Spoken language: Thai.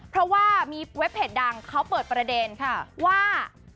เพราะว่ามีเว็บเพจดังเขาเปิดประเด็นว่า